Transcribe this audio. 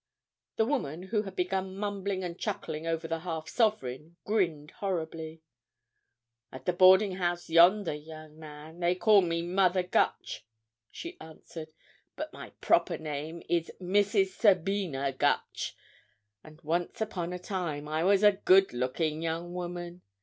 The woman, who had begun mumbling and chuckling over the half sovereign, grinned horribly. "At the boarding house yonder, young man, they call me Mother Gutch," she answered; "but my proper name is Mrs. Sabina Gutch, and once upon a time I was a good looking young woman.